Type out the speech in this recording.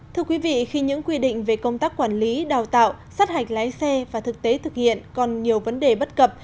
thưa quý vị khi những quy định về công tác quản lý đào tạo sát hạch lái xe và thực tế thực hiện còn nhiều vấn đề bất cập